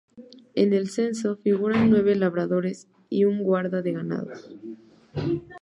En el censo figuran nueve labradores y un guarda de ganados.